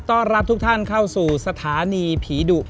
ต้อนรับทุกท่านเข้าสู่สถานีผีดุ